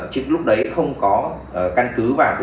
trước lúc đấy không có căn cứ vào